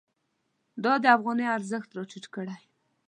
دا د افغانۍ ارزښت راټیټ کړی.